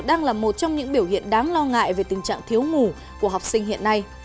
đang là một trong những biểu hiện đáng lo ngại về tình trạng thiếu ngủ của học sinh hiện nay